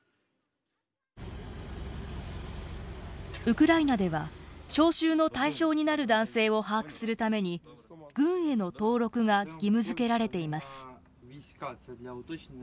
ウクライナでは招集の対象になる男性を把握するために軍への登録が義務づけられています。